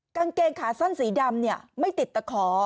กางเกงขาสั้นสีดำไม่ติดตะขอ